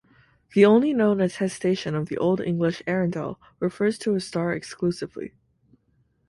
The only known attestation of the Old English "Earendel" refers to a star exclusively.